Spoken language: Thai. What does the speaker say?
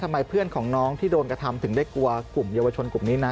เพื่อนของน้องที่โดนกระทำถึงได้กลัวกลุ่มเยาวชนกลุ่มนี้นะ